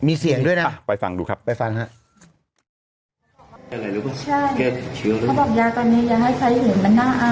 มีเสียงด้วยนะไปฟังดูครับไปฟังฮะ